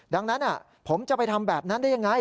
ดังนั้นผมจะไปทำแบบนั้นได้ยังไง